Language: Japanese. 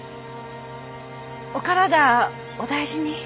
お体お大事に。